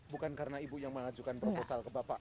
bukan karena ibu yang mengajukan proposal ke bapak